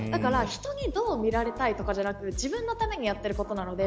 だから人にどう見られたいとかじゃなく自分のためにやっていることなので